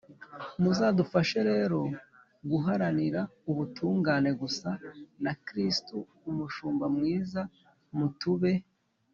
muzadufashe rero guharanira ubutungane, gusa na kristu umushumba mwiza. mutube